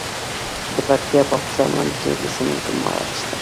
د پکتیکا په خوشامند کې د سمنټو مواد شته.